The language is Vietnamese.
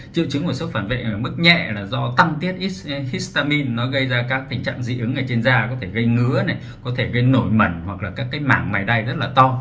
triệu chứng của sốc phản vệ ở mức nhẹ là do tăng tiết histamine nó gây ra các tình trạng dị ứng ở trên da có thể gây ngứa có thể gây nổi mẩn hoặc là các mảng mái đai rất là to